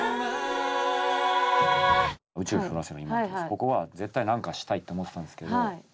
ここは絶対何かしたいって思ってたんですけど。